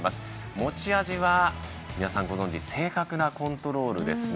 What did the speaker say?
持ち味は、皆さんご存じ正確なコントロール。